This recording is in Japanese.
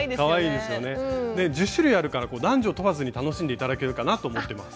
で１０種類あるから男女問わずに楽しんで頂けるかなと思ってます。